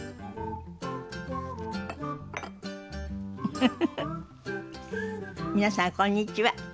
フフフフ皆さんこんにちは。